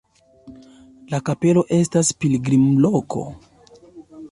La kapelo estas pilgrimloko.